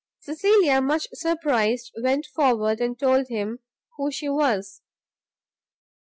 Cecilia, much surprised, went forward, and told him who she was.